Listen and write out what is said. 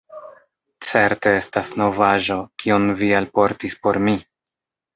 Certe estas novaĵo, kion Vi alportis por mi!"